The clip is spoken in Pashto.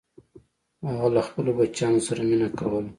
هغه له خپلو بچیانو سره مینه کوله.